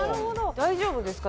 大丈夫ですか？